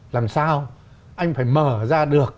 làm sao anh phải mở ra được